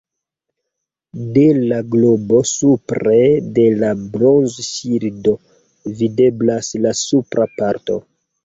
De la globo supre de la blazonŝildo videblas la supra parto.